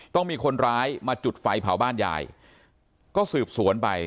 ต้องมีคนร้ายมาจุดไฟเผาบ้านยายก็สืบสวนไป